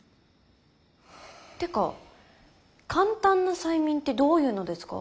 ってか簡単な催眠ってどういうのですか？